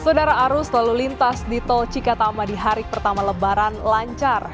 saudara arus lalu lintas di tol cikatama di hari pertama lebaran lancar